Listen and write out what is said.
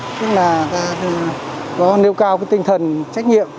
chúng ta nêu cao tinh thần trách nhiệm